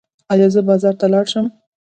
ایا زه بازار ته لاړ شم؟